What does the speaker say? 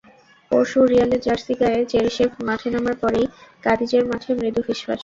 পরশু রিয়ালের জার্সি গায়ে চেরিশেভ মাঠে নামার পরেই কাদিজের মাঠে মৃদু ফিসফাস।